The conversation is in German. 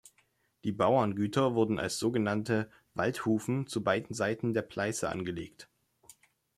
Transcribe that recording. Die Bauerngüter wurden als sogenannte Waldhufen zu beiden Seiten der Pleiße angelegt.